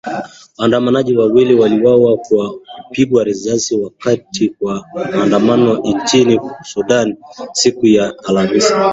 Waandamanaji wawili waliuawa kwa kupigwa risasi wakati wa maandamano nchini Sudan siku ya Alhamis.